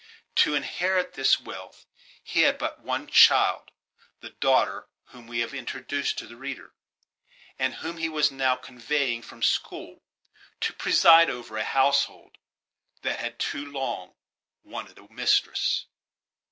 To inherit this wealth he had but one child the daughter whom we have introduced to the reader, and whom he was now conveying from school to preside over a household that had too long wanted a mistress.